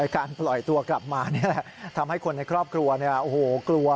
การปล่อยตัวกลับมานี่แหละทำให้คนในครอบครัวเนี่ยโอ้โหกลัว